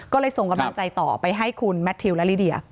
ก็เลยส่งกำลังใจต่อไปให้คุณแมททิวและลิเดีย